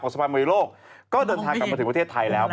สะพานมวยโลกก็เดินทางกลับมาถึงประเทศไทยแล้ว